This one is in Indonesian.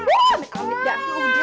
amit amit dah udah artika udah